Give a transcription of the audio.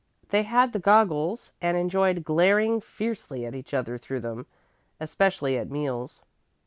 They had the goggles and enjoyed glaring fiercely at each other through them, especially at meals.